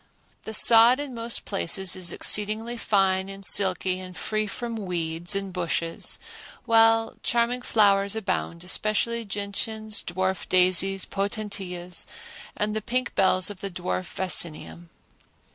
The sod in most places is exceedingly fine and silky and free from weeds and bushes; while charming flowers abound, especially gentians, dwarf daisies, potentillas, and the pink bells of dwarf vaccinium.